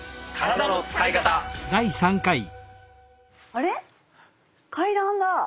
あれ⁉階段だ！